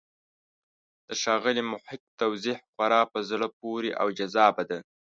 د ښاغلي محق توضیح خورا په زړه پورې او جذابه ده.